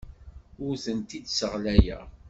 Ur tent-id-sseɣlayeɣ.